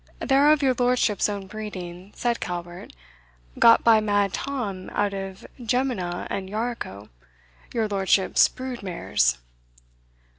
"They are of your lordship's own breeding," said Calvert, "got by Mad Tom out of Jemina and Yarico, your lordship's brood mares."